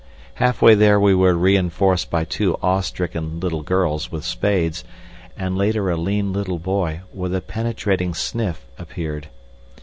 Half way there we were reinforced by two awe stricken little girls with spades, and later a lean little boy, with a penetrating sniff, appeared.